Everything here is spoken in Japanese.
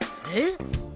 えっ！？